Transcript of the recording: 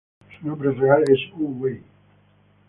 Su nombre real es Hu Wei.